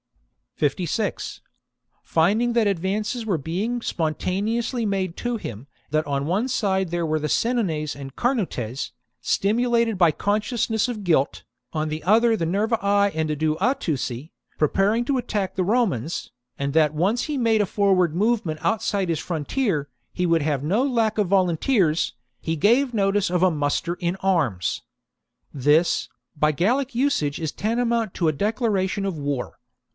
56. Finding that advances were being spon taneously made to him, that on one side there were the Senones and Carnutes, stimulated by consciousness of guilt, on the other the Nervii and Aduatuci, preparing to attack the Romans, and that once he made a forward movement outside his frontier, he would have no lack of volunteers, he gave notice of a muster in arms. This, by Gallic usag^ is tantamount to a declara tion of war.